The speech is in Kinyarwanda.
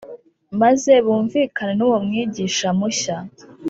maze bumvikane n’uwo mwigisha mushya